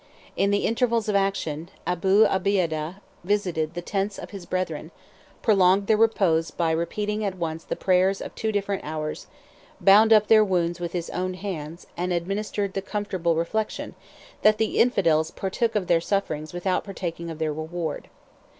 In the intervals of action, Abu Obeidah visited the tents of his brethren, prolonged their repose by repeating at once the prayers of two different hours, bound up their wounds with his own hands, and administered the comfortable reflection, that the infidels partook of their sufferings without partaking of their reward.